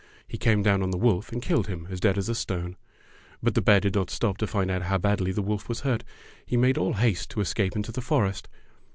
He came down on the wolf and killed him as dead as a stone. But the bear did not stop to find out how badly the wolf was hurt. He made all haste to escape into the forest.